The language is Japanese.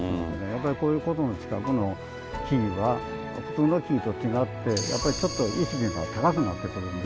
やっぱりこういう古道の近くの木には普通の木と違ってやっぱりちょっと意識が高くなってくるんですよね。